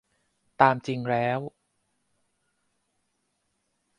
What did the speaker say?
ตามจริงแล้ว